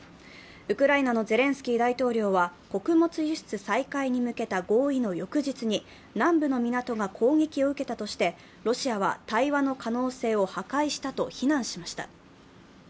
ウクライナのゼレンスキー大統領は穀物輸出再開に向けた合意の翌日に南部の港が攻撃を受けたとしてロシアは対話の可能性を破壊したと非難しました。